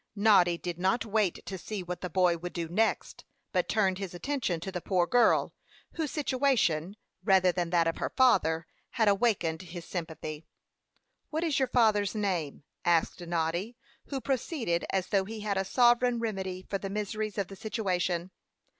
Noddy did not wait to see what the boy would do next, but turned his attention to the poor girl, whose situation, rather than that of her father, had awakened his sympathy. "What is your father's name?" asked Noddy, who proceeded as though he had a sovereign remedy for the miseries of the situation.